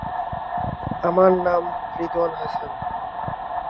এই বিষয়টি আরও পরিমার্জিত মডেলের মূল্যায়ন দ্বারা নিশ্চিত করা হয়েছে।